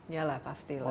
ya lah pastilah